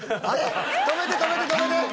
止めて止めて止めて！